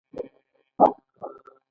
د پنجشیر باغونه توت لري.